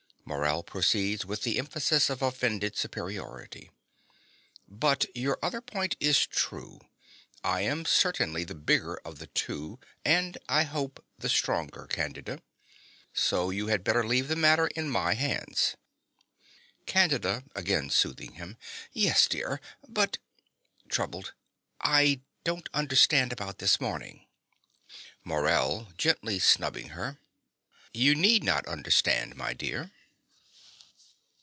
Morell proceeds with the emphasis of offended superiority.) But your other point is true. I am certainly the bigger of the two, and, I hope, the stronger, Candida. So you had better leave the matter in my hands. CANDIDA (again soothing him). Yes, dear; but (Troubled.) I don't understand about this morning. MORELL (gently snubbing her). You need not understand, my dear.